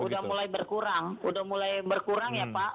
sudah mulai berkurang udah mulai berkurang ya pak